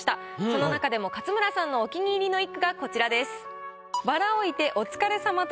その中でも勝村さんのお気に入りの一句がこちらです。